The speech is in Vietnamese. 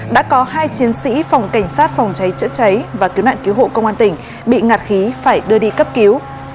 đã có hai chiến sĩ phòng cảnh sát phòng cháy chữa cháy và cứu nạn cứu hộ công an tỉnh bị ngạt khí phải đưa đi cấp cứu